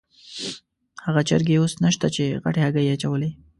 هغه چرګې اوس نشته چې غټې هګۍ یې اچولې.